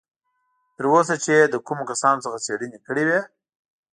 تر اوسه چې یې له کومو کسانو څخه څېړنې کړې وې.